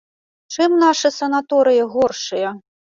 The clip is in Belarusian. Чым нашы санаторыі горшыя?